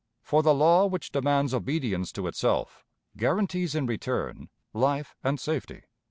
For the law which demands obedience to itself guarantees in return life and safety.